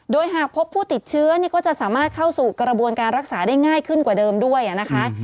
โดยหากพบผู้ติดเชื้อก็จะสามารถเข้าสู่กระบวนการรักษาได้ง่ายขึ้นกว่าเดิมด้วยนะคะ